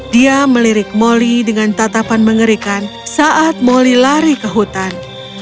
dia melirik moli dengan tatapan mengerikan saat moli lari ke hutan